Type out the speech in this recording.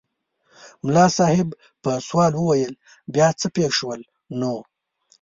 ملا صاحب په سوال وویل بیا څه پېښ شول نو؟